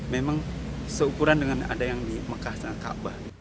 memang seukuran dengan ada yang di mekah dengan ka'bah